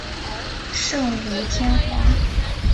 圣武天皇。